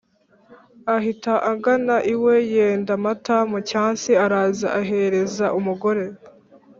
Ahita agana iwe, yenda amata mu cyansi, araza ahereza umugore